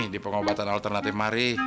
di pengobatan alternatif mari